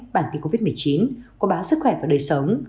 bản tin covid một mươi chín của báo sức khỏe và đời sống